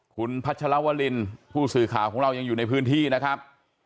คุณพัชรวรินผู้สื่อข่าวของเรายังอยู่ในพื้นที่นะครับ